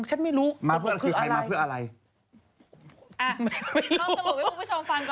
ฉันไม่รู้มาเพื่ออะไรไม่รู้เอาสรุปให้คุณผู้ชมฟังก่อน